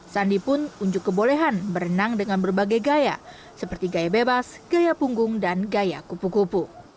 sandi pun unjuk kebolehan berenang dengan berbagai gaya seperti gaya bebas gaya punggung dan gaya kupu kupu